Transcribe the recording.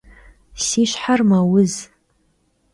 Si şher meuz.